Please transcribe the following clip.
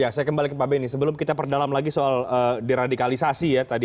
ya saya kembali ke pak benny sebelum kita perdalam lagi soal deradikalisasi ya tadi